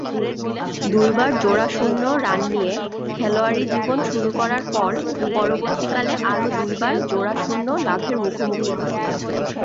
দুইবার জোড়া শূন্য রান নিয়ে খেলোয়াড়ী জীবন শুরু করার পর পরবর্তীকালে আরও দুইবার জোড়া শূন্য লাভের মুখোমুখি হন।